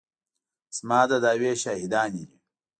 زما د دعوې شاهدانې دي.